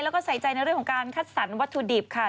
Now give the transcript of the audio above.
แล้วก็ใส่ใจในเรื่องของการคัดสรรวัตถุดิบค่ะ